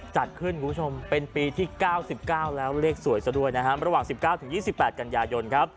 จัดขึ้นคุณผู้ชมเป็นปีที่๙๙แล้วเลขสวยซะด้วยนะฮะระหว่าง๑๙๒๘กันยายนครับ